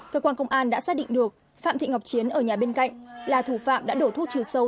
cơ quan công an đã xác định được phạm thị ngọc chiến ở nhà bên cạnh là thủ phạm đã đổ thuốc trừ sâu